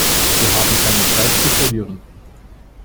Wir haben keine Zeit zu verlieren.